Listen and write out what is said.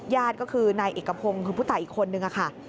ญาติก็คือในเอกพงพุทัยอีกคนหนึ่งค่ะ